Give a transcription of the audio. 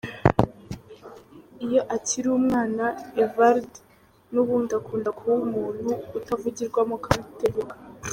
Iyo akiri umwana, Évrard n’ubundi akunda kuba umuntu utavugirwamo kandi utegeka.